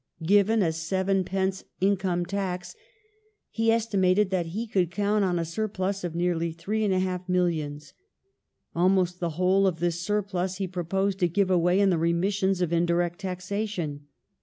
Given a 7d. income tax he estimated that he could count on a surplus of nearly three and a half millions. Almost the whole of this surplus he proposed to give away in remissions of indirect taxation.